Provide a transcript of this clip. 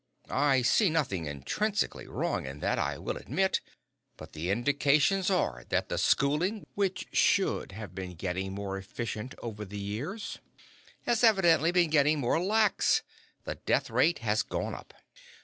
"I see nothing intrinsically wrong in that, I will admit, but the indications are that the schooling, which should have been getting more efficient over the years, has evidently been getting more lax. The death rate has gone up."